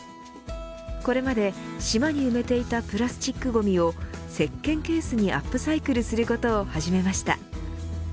これまで島に埋めていたプラスチックごみをせっけんケースにアップサイクルすることを始めました。